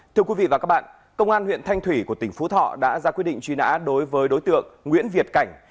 thưa quý vị và các bạn công an huyện thanh thủy của tỉnh phú thọ đã ra quyết định truy nã đối với đối tượng nguyễn việt cảnh